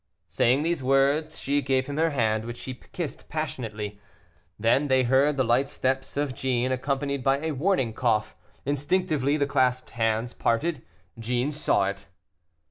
Saying these words, she gave him her hand, which he kissed passionately. Then they heard the light steps of Jeanne, accompanied by a warning cough. Instinctively the clasped hands parted. Jeanne saw it.